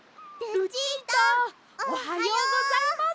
ルチータおはようございます。